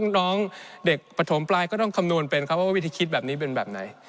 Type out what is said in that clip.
น้องเด็กปฐมปลายก็ต้องคำนวณเป็นครับว่าวิธีคิดแบบนี้เป็นแบบไหน